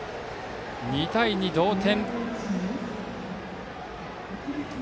２対２、同点。